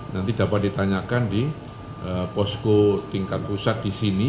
nanti dapat ditanyakan di posko tingkat pusat di sini